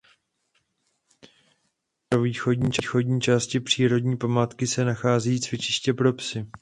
V severovýchodní části přírodní památky se nachází cvičiště pro psy.